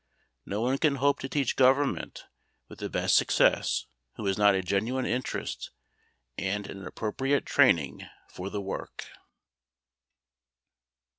No one can hope to teach Government with the best success who has not a genuine interest and an appropriate training for the work.